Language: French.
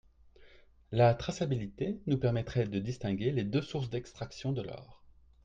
La traçabilité nous permettrait de distinguer les deux sources d’extraction de l’or.